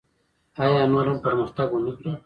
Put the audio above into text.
آیا نور هم پرمختګ ونکړي؟